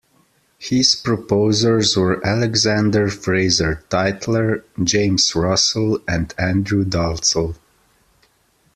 His proposers were Alexander Fraser Tytler, James Russell and Andrew Dalzell.